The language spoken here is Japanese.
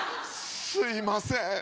すいません